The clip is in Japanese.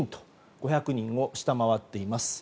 ５００人を下回っています。